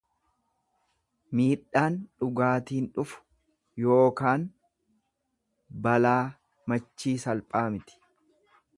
Miidhaan dhugaatiin dhufu yookaan balaan machii salphaa miti.